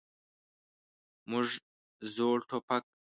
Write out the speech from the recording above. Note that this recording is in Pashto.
موږ زوړ ټوپک.